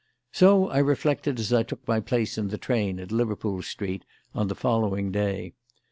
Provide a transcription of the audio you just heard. So I reflected as I took my place in the train at Liverpool Street on the following day.